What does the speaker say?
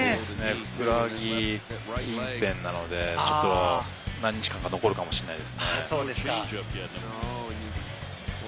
ふくらはぎ近辺なので、ちょっと何日間か残るかもしれないですね。